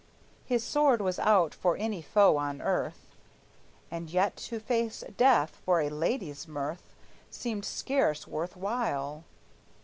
His sword was out for any foe on earth, And yet to face death for a lady's mirth Seemed scarce worth while.